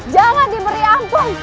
jangan diberi ampun